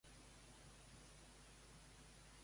Qui conforma A la Valenciana?